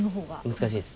難しいです。